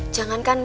jangan kan mas